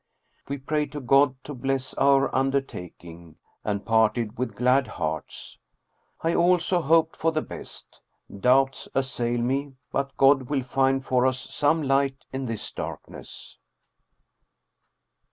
We prayed to God to bless our undertaking and parted with glad hearts. I also hoped for the best. Doubts assail me, but God will find for us some light in this darkness.